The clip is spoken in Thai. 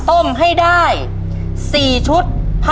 ตัวเลือกที่สี่ชัชวอนโมกศรีครับ